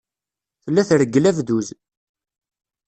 Tella treggel abduz.